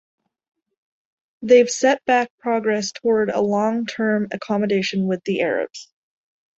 They've set back progress toward a long term accommodation with the Arabs.